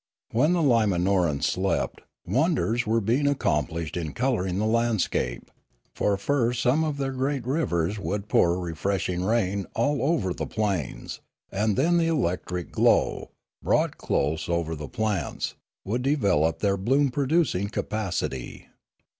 When the Limanorans slept, wonders were being ac complished in colouring the landscape; for first some of their great rivers would pour refreshing rain all over the plains; and then the electric glow, brought close over the plants, would develop their bloom producing capacity.